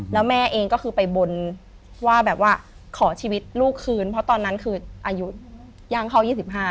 แล้วแม่เองก็คือไปบนว่าแบบว่าขอชีวิตลูกคืนเพราะตอนนั้นคืออายุย่างเข้า๒๕